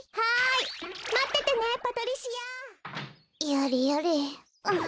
やれやれ。